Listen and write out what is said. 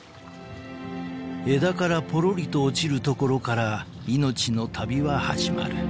［枝からぽろりと落ちるところから命の旅は始まる。